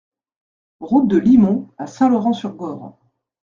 Route de Limont à Saint-Laurent-sur-Gorre